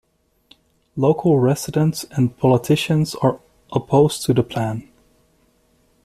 Local residents and politicians are opposed to the plan.